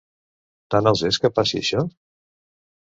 Tant els és que passi això?